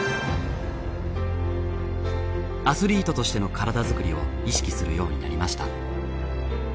アスリートとしての体作りを意識するようになりました。